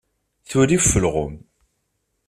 Tuli ɣef ulɣem.